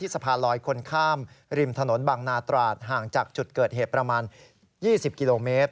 สะพานลอยคนข้ามริมถนนบางนาตราดห่างจากจุดเกิดเหตุประมาณ๒๐กิโลเมตร